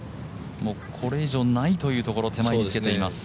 これ以上ないというところ手前につけています。